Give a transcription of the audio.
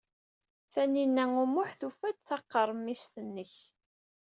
Tinhinan u Muḥ tufa-d taqremsit-nnek.